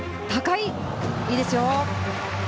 いいですよ。